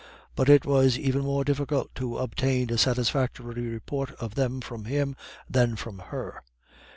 But it was even more difficult to obtain a satisfactory report of them from him than from her.